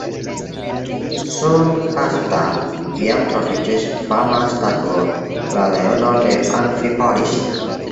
Sur Kasta iam troviĝis fama statuo “La leono de Amfipolis”.